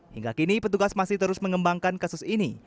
hingga kini petugas masih terus mengembangkan kasus ini